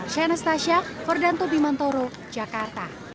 saya anastasia fordanto bimantoro jakarta